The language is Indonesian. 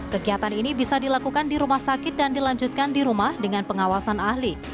kegiatan ini bisa dilakukan di rumah sakit dan dilanjutkan di rumah dengan pengawasan ahli